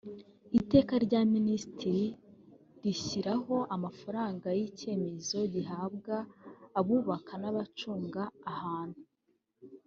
iteka rya minisitiri rishyiraho amafaranga y icyemezo gihabwa abubaka n abacunga ahantu